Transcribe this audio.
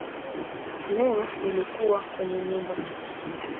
Leo nilikuwa kwenye nyumba